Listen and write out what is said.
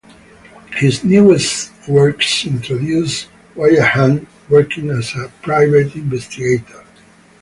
His newest works introduce Wyatt Hunt, working as a private investigator.